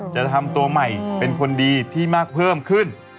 จะทำตัวใหม่เป็นคนดีที่มากเพิ่มขึ้น